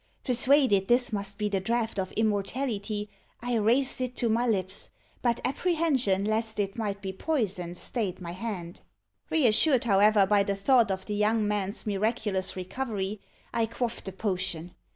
Persuaded this must be the draught of immortality, I raised it to my lips; but apprehension lest it might be poison stayed my hand. Reassured, however, by the thought of the young man's miraculous recovery, I quaffed the potion.